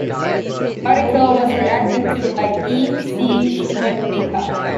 This article was reacted to by E C Stuart Baker.